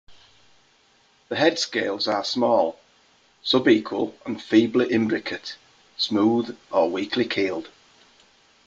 The head scales are small, subequal and feebly imbricate, smooth or weakly keeled.